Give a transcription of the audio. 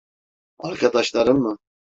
Arkadaşların mı?